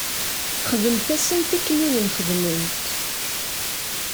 Xdemt-asent akken i wen-xedment.